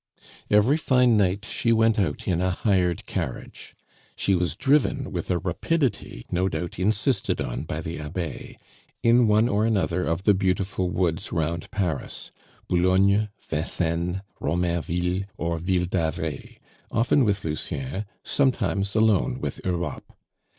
Every fine night she went out in a hired carriage. She was driven with a rapidity no doubt insisted on by the Abbe, in one or another of the beautiful woods round Paris, Boulogne, Vincennes, Romainville, or Ville d'Avray, often with Lucien, sometimes alone with Europe.